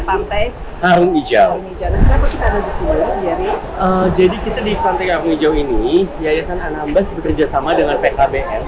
pantai harun ijau jadi kita di pantai harun ijau ini yayasan anambas bekerjasama dengan pkbm